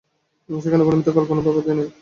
সেখানে কোন মিথ্যা কল্পনা বা ভ্রান্তি নাই।